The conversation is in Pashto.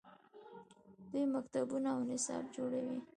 دوی مکتبونه او نصاب جوړوي.